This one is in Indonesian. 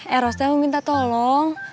eh ros teh mau minta tolong